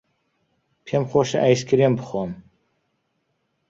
پێم خۆشە ئایسکرێم بخۆم.